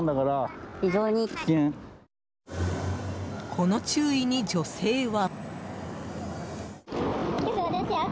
この注意に、女性は。